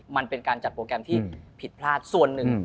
มันเป็นการจัดโปรแกรมที่ผิดพลาดส่วนหนึ่ง